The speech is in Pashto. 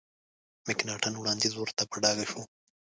مکناټن وړاندیز ورته په ډاګه شو.